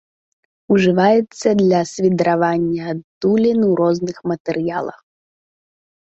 Ужываецца для свідравання адтулін у розных матэрыялах.